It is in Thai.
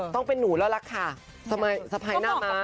ก็มองกับพี่แจนะฮะ